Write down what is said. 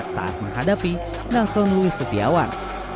saat menghadapi nason louis setiawan